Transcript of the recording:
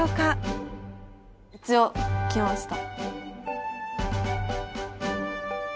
一応できました。